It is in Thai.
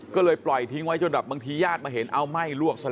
ก็เลยปล่อยทิ้งไว้จนแบบบางทีญาติมาเห็นเอาไหม้ลวกซะ